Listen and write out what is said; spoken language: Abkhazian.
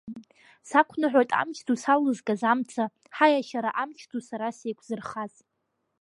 Сақәныҳәоит амч ду салызгаз амца, ҳаиашьара амч ду сара сеиқәзырхаз!